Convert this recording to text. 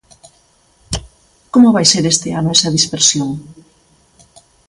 Como vai ser este ano esa dispersión?